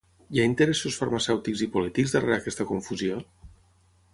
Hi ha interessos farmacèutics i polítics darrere aquesta confusió?